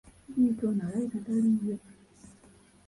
Bittu ono alabika taliiyo.